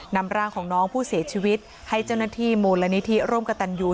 นำร่างของน้องผู้เสียชีวิตให้เจ้าหน้าที่มูลนิธิร่วมกับตันยู